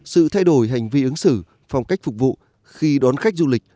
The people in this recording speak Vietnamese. sự thay đổi hành vi ứng xử phong cách phục vụ khi đón khách du lịch